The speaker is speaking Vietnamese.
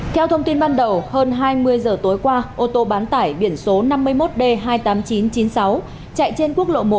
theo thông tin ban đầu hơn hai mươi giờ tối qua ô tô bán tải biển số năm mươi một d hai mươi tám nghìn chín trăm chín mươi sáu chạy trên quốc lộ một